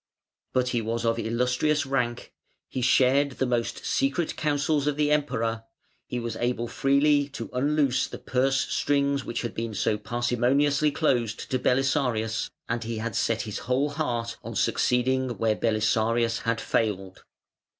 But he was of "Illustrious" rank, he shared the most secret counsels of the Emperor, he was able freely to unloose the purse strings which had been so parsimoniously closed to Belisarius, and he had set his whole heart on succeeding where Belisarius had failed.